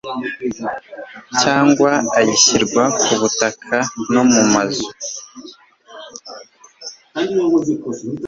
cyangwa ayishyurwa ku butaka n amazu